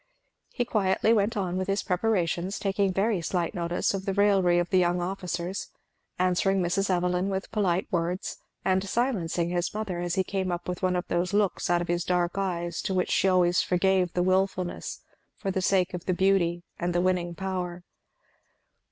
He quietly went on with his preparations; taking very slight notice of the raillery of the young officers, answering Mrs. Evelyn with polite words, and silencing his mother as he came up with one of those looks out of his dark eyes to which she always forgave the wilfulness for the sake of the beauty and the winning power.